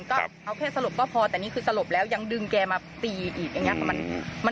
ก็เอาแค่สลบก็พอแต่นี่คือสลบแล้วยังดึงแกมาตีอีกอย่างนี้ค่ะ